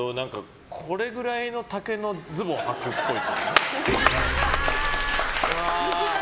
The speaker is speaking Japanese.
これぐらいの丈のズボンはくっぽい。